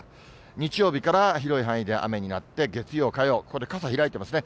日曜日から広い範囲で雨になって、月曜、火曜、これ、傘開いてますね。